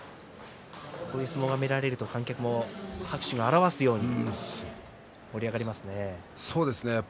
こういう相撲が見られると観客も拍手が表すように盛り上がりますね。